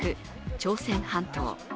朝鮮半島。